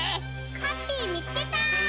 ハッピーみつけた！